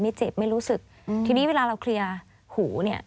ไม่เจ็บไม่รู้สึกทีนี้เวลาเราเคลียร์หูเนี่ย